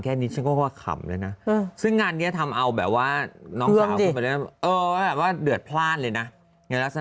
ก็บอกว่ามางกี้เป็นกิ๊กเป็นกิ๊ก